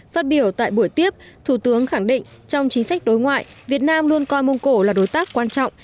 phát biểu tại buổi tiếp thủ tướng khẳng định trong chính sách đối ngoại việt nam luôn coi mông cổ là đối tác quan trọng